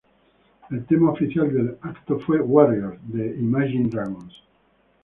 El tema oficial del evento fue ""Warriors"" de Imagine Dragons.